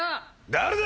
誰だ！